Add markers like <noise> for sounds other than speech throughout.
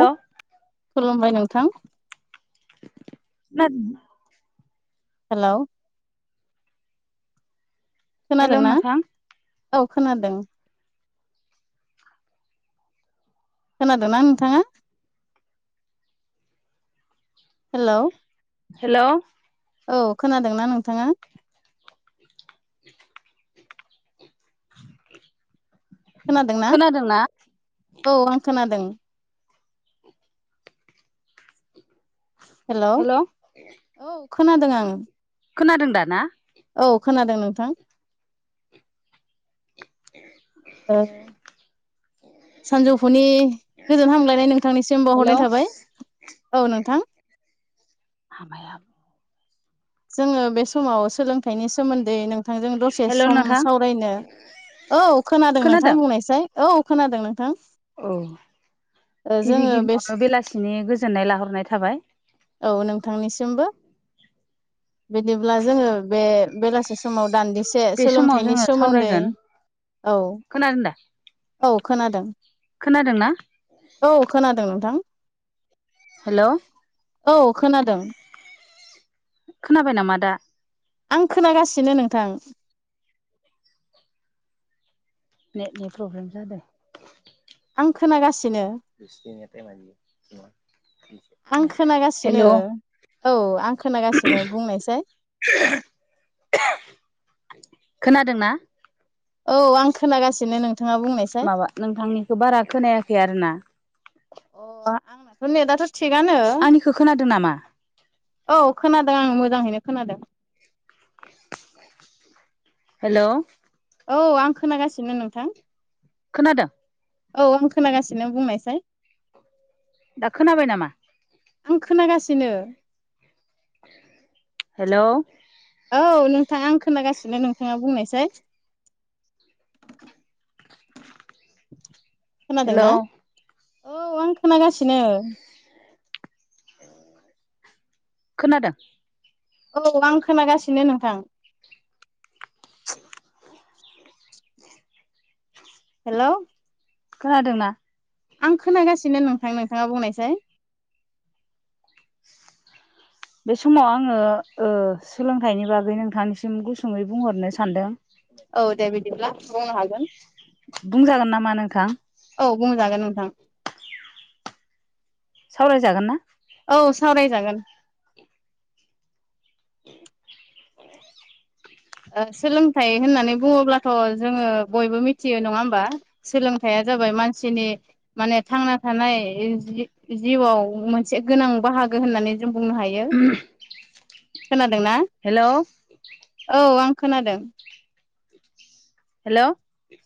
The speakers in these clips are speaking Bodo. औ खुलुमबाय नोंथां खोनादों ना हेल' हेल' खोनादोंना नोंथां औ खोनादों खोनादों आं नोंथाङा? हेल' हेल' औ खोनादोंना नोंथाङा <unintelligible> खोनादों ना खोनादोंना औ आं खोनादों हेल' औ खोनादों आं खोनादों दा ना औ खोनादों नोंथां ओ सानजौफुनि गोजोन हामलायनाय नोंथांनिसिम हेल' बावहरनाय थाबाय औ नोंथां हाबायाव जोङो बे समाव सोलोंथाइनि सोमोन्दै नों- थांजों दसे हेल' सम नोंथां सावरायनो औ खोनादों नोंथां बुंनायसाय औ खोनादों नोंथां औ ओ गिबि जोङो बे गिबियावनो बेलासिनि गोजोननाय लाहरनाय थाबाय औ नोंथांनिसिमबो बिदिब्ला जोङो बे बेलासि समाव दान्दि से बे समाव सोलोंथाइनि जोङो सोमोन्दै सावरायगोन औ खोनादों औ खोनादों खोनादों ना औ खोनादों नोंथां हेल' औ खोनादों खोनाबाय नामा दा आं खोनागासिनो नोंथां नेटनि प्रब्लेम जादों आं खोनागासिनो आं <unintelligible> हेल' खोनागासिनो औ आं खोनागासिनो बुंनायसै खोनादों ना औ आं खोनागासिनो नोंथाङा बुंनाय माबा नोंथांनिखौ बारा खोनायाखै आरो ना अ आंनाथ' नेटाथ' थिगानो आंनिखौ खोनादों नामा औ खोनादों आं मोजाङैनो खोनादों हेल' औ आं खोनागासिनो नोंथां खोनादों औ आं खोनागासिनो बुंनायसाय दा खोनाबाय नामा आं खोनागासिनो हेल' औ नोंथाङा आं खोनागासिनो नोंथाङा बुंनायसै हेल' खोनादोंना औ आं खोनागासिनो खोनादों औ आं खोनागासिनो नोंथां हेल' खोनादोंना आं खोनागासिनो नोंथां नोंथाङा बुंनायसाय बे समाव आङो ओ सोलोंथाइनि बागै नोंथांनिसिम गुसुङै बुंहरनो सानदों औ दे बिदिब्ला बुंनो हागोन बुंजागोन नामा नोंथां औ बुंजागोन नोंथां सावरायजागोन ना औ सावरायजागोन सोलोंथाइ होननानै बुङोब्लाथ' जोङो बयबो मिथियो नङा होमबा सोलोंथाइया जाबाय मानसिनि माने थांना थानाय जि जिउआव मोनसे गोनां बाहागो होननानै जों बुंनो हायो खोनादोंना हेल' औ आं खोनादों हेल'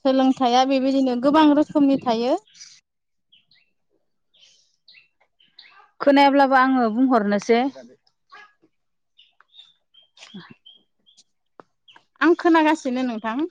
सोलोंथाइया बेबायदिनो गोबां रोखोमनि थायो खोनायाब्लाबो आङो बुंहरनोसै <unintelligible> आं खोनागासिनो नोंथां